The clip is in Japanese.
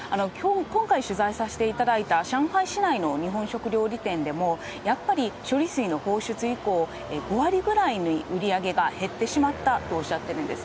今回、取材させていただいた上海市内の日本食料理店でも、やっぱり処理水の放出以降、５割ぐらい、売り上げが減ってしまったとおっしゃっているんです。